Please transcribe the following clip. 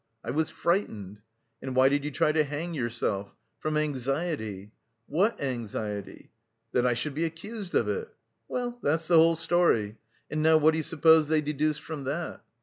'I was frightened.' 'And why did you try to hang yourself?' 'From anxiety.' 'What anxiety?' 'That I should be accused of it.' Well, that's the whole story. And now what do you suppose they deduced from that?"